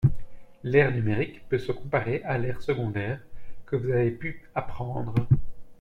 L’ère numérique peut se comparer à l’ère secondaire que vous avez pu apprendre.